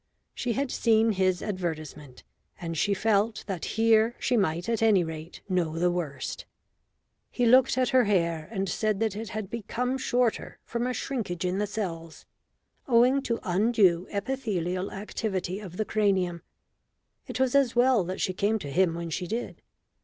She had seen his advertisement, and she felt that here she might at any rate know the worst. He looked at her hair and said that it had become shorter from a shrinkage in the cells, owing to undue epithelial activity of the cranium. It was as well that she came to him when she did.